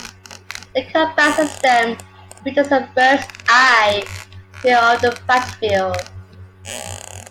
The combat system features a bird's eye view of the battlefield.